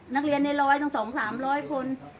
นักเรียนในร้อยตั้งสองสามร้อยคน